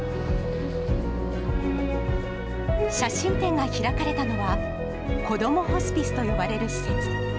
写真展が開かれたのは、こどもホスピスと呼ばれる施設。